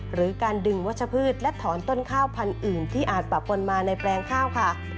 หรือการดึงวัชพืชและถอนต้นข้าวพันธุ์อื่นที่อาจปะปนมาในแปลงข้าวค่ะ